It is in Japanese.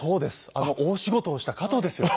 あの大仕事をした加藤ですよ。